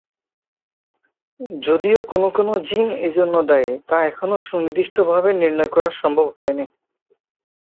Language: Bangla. যদিও কোন কোন জিন এজন্য দায়ী, তা এখনো সুনির্দিষ্টভাবে নির্ণয় করা সম্ভব হয়নি।